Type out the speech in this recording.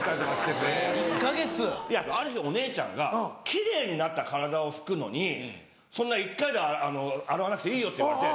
ある日お姉ちゃんが奇麗になった体を拭くのにそんな１回で洗わなくていいよって言われて。